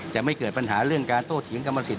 แต่ไม่เกิดปัญหาเรื่องการโทษถียงกรรมสิทธิ์